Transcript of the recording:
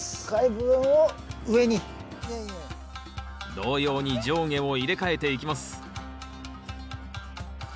同様に上下を入れ替えていきます